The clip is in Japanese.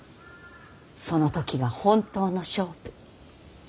その時が本当の勝負。